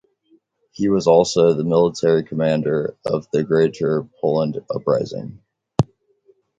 He was also the military commander of the Greater Poland Uprising.